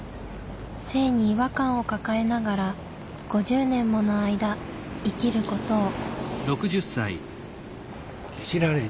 性に違和感を抱えながら５０年もの間生きることを。